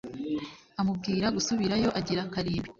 Amubwira gusubirayo agira karindwi